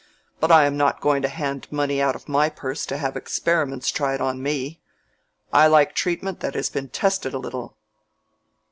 But I am not going to hand money out of my purse to have experiments tried on me. I like treatment that has been tested a little."